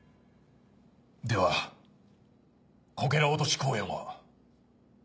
ではこけら落とし公演は。